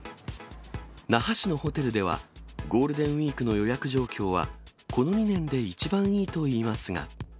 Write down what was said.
那覇市のホテルでは、ゴールデンウィークの予約状況は、この２年で一番いいといいますが。